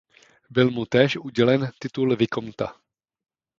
Byl mu též udělen titul vikomta.